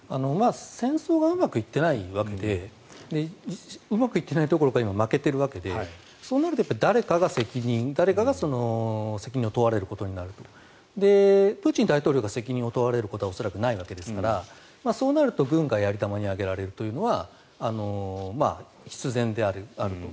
戦争がうまくいっていないわけでうまくいってないどころか今負けているわけでそうなると誰かが責任を取るわけなのでプーチン大統領が責任を問われることは恐らく、ないわけですからそうなると軍がやり玉に挙げられるのは必然であると。